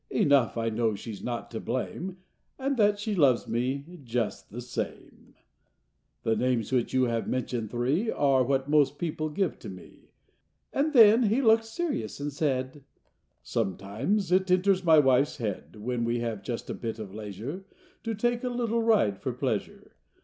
Enough, I know she's not to blame. And that she loves me just the same." Copyrighted, 1897 I HE names which you have mentioned, three, what most people give to me." then looked serious and said :— 1897. Copyrighted, Xf^OMETIMES it enters my wife's head, When we have just a bit of leisure, To take a little ride for pleasure.